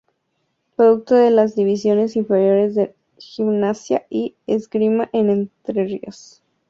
Producto de las divisiones inferiores de Gimnasia y Esgrima de Entre Ríos.